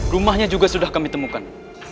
rumahnya juga sudah kami temukan